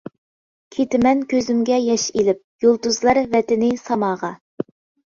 كېتىمەن كۆزۈمگە ياش ئېلىپ، يۇلتۇزلار ۋەتىنى ساماغا.